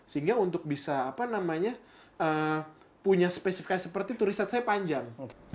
sehingga untuk bisa punya spesifikasi seperti itu riset saya panjang